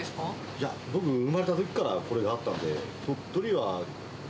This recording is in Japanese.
いや、僕が生まれたときからこれがあったんで。